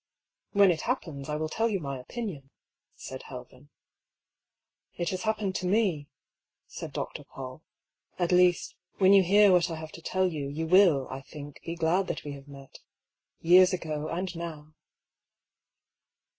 " When it happens, I will tell you my opinion," said Helven. " It has happened to me," said Dr. Paull. " At least, when you hear what I have to tell you, you will, I think, be glad that we have met — years ago and now."